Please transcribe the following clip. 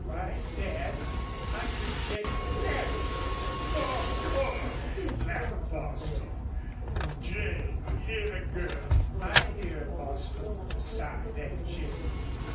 Why, Dad, I could get married." "Haw! haw!" laughed Bostil. "Jane, hear the girl." "I hear her, Bostil," sighed Aunt Jane.